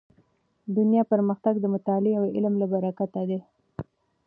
دنیا پرمختګ د مطالعې او علم له برکته دی.